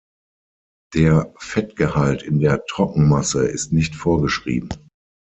Der Fettgehalt in der Trockenmasse ist nicht vorgeschrieben.